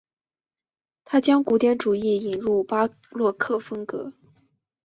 他将古典主义引入巴洛克风格。